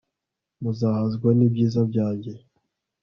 muzahazwa n'ibyiza byanjye